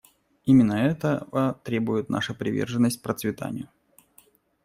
Именно этого требует наша приверженность процветанию.